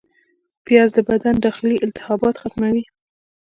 پیاز د بدن داخلي التهابات ختموي